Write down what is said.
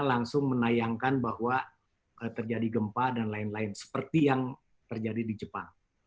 langsung menayangkan bahwa terjadi gempa dan lain lain seperti yang terjadi di jepang